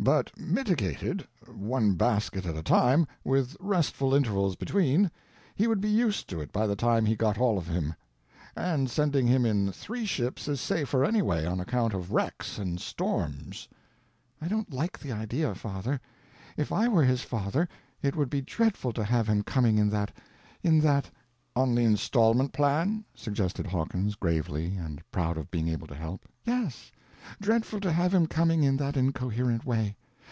But mitigated—one basket at a time, with restful intervals between, he would be used to it by the time he got all of him. And sending him in three ships is safer anyway. On account of wrecks and storms." "I don't like the idea, father. If I were his father it would be dreadful to have him coming in that—in that—" "On the installment plan," suggested Hawkins, gravely, and proud of being able to help. "Yes—dreadful to have him coming in that incoherent way.